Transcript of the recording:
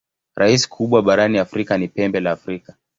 Rasi kubwa barani Afrika ni Pembe la Afrika.